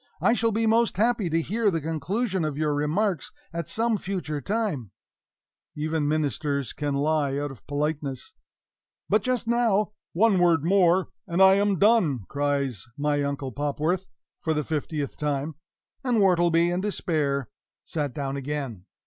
"I shall be most happy to hear the conclusion of your remarks at some future time" (even ministers can lie out of politeness); "but just now " "One word more, and I am done," cries my Uncle Popworth, for the fiftieth time; and Wortleby, in despair, sat down again.